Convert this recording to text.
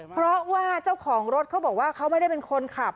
เพราะว่าเจ้าของรถเขาบอกว่าเขาไม่ได้เป็นคนขับ